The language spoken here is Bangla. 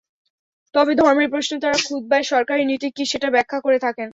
তবে ধর্মের প্রশ্নে তাঁরা খুতবায় সরকারি নীতি কী, সেটা ব্যাখ্যা করে থাকেন।